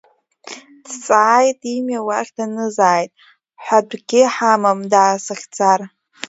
Дцааит, имҩа уахь данызааит, ҳәатәгьы ҳамам даасыхьӡар.